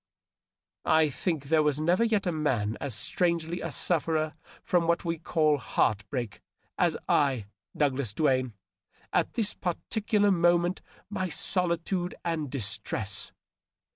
I think there was never yet a man as strangely a sufferer from what we call heart break, as I, Douglas Duane, at this particular moment of my solitude and distress.